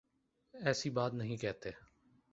ایسی بات نہیں کہتے